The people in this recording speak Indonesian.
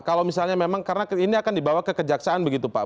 kalau misalnya memang karena ini akan dibawa ke kejaksaan begitu pak